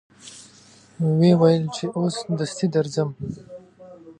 و یې ویل چې اوس دستي درځم.